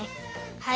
はい。